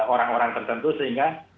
orang orang tertentu sehingga